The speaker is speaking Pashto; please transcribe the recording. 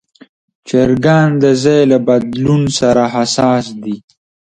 چرګان د ځای له بدلون سره حساس دي.